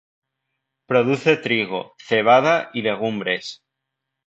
Produce trigo, cebada y legumbres.